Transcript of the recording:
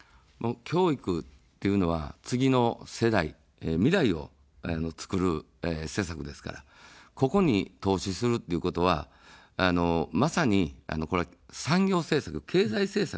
教育というのは次の世代、未来をつくる施策ですから、ここに投資するということは、まさに、産業政策、経済政策でもあるわけです。